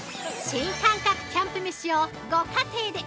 新感覚キャンプ飯をご家庭で！